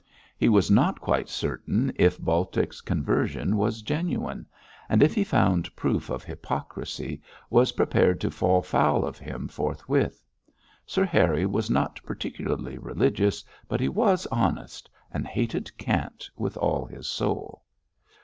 He was not quite certain if Baltic's conversion was genuine, and if he found proof of hypocrisy, was prepared to fall foul of him forthwith. Sir Harry was not particularly religious, but he was honest, and hated cant with all his soul.